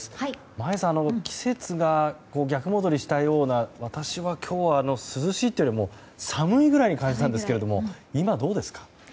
眞家さん季節が逆戻りしたような私は、今日は涼しいというよりも寒いぐらいに感じたんですが今、どうですか？